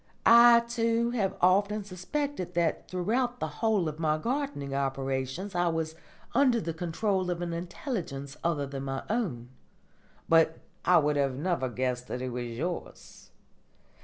I too have often suspected that throughout the whole of my gardening operations I was under the control of an intelligence other than my own. But I would never have guessed that it was yours.